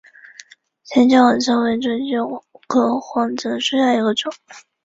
山西黄芩为唇形科黄芩属下的一个种。